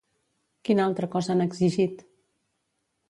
Quina altra cosa han exigit?